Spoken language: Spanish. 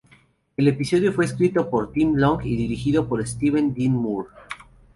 El episodio fue escrito por Tim Long y dirigido por Steven Dean Moore.